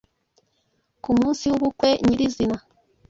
Ku munsi w’ubukwe nyiri izina,